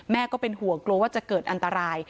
ก็เป็นห่วงกลัวว่าจะเกิดอันตราย